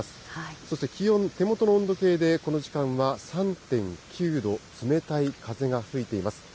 そして気温、手元の温度計でこの時間は３．９度、冷たい風が吹いています。